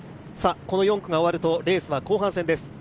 この４区が変わるとレースは後半戦です。